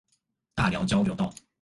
大寮交流道